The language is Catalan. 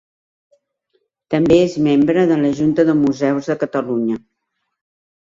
També és membre de la Junta de Museus de Catalunya.